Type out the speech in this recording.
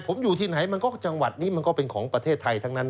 ผมอยู่ที่ไหนมันก็จังหวัดนี้มันก็เป็นของประเทศไทยทั้งนั้น